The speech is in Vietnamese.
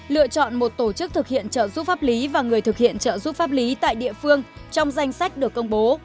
lựa chọn một tổ chức thực hiện trợ giúp pháp lý và người thực hiện trợ giúp pháp lý tại địa phương trong danh sách được công bố